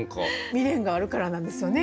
未練があるからなんですよね。